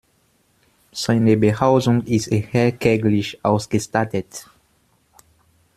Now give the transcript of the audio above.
Seine Behausung ist eher kärglich ausgestattet.